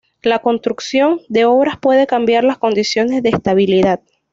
La construcción de obras puede cambiar las condiciones de estabilidad.